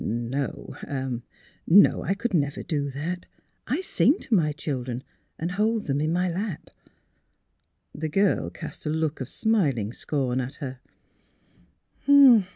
" No," she said. '' No; I could never do that. I sing to my children, and hold them in my lap." The girl cast a look of smiling scorn at her.